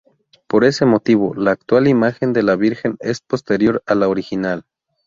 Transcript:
Por este motivo, la actual imagen de la Virgen es posterior a la original.